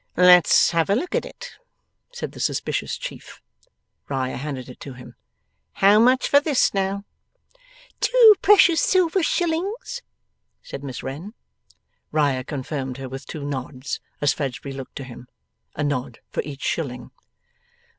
'Let's have a look at it,' said the suspicious chief. Riah handed it to him. 'How much for this now?' 'Two precious silver shillings,' said Miss Wren. Riah confirmed her with two nods, as Fledgeby looked to him. A nod for each shilling.